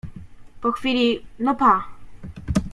Po chwili: — No, pa.